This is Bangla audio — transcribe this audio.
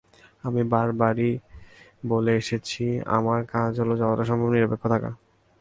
আমি বারবারই বলে এসেছি, আমার কাজ হলো যতটা সম্ভব নিরপেক্ষ থাকা।